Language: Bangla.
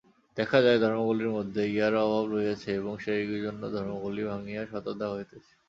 দেখা যায়, ধর্মগুলির মধ্যে ইহার অভাব রহিয়াছে এবং সেইজন্য ধর্মগুলি ভাঙিয়া শতধা হইতেছে।